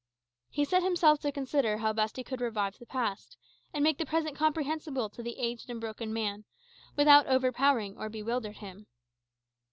He set himself to consider how best he could revive the past, and make the present comprehensible to the aged and broken man, without overpowering or bewildering him.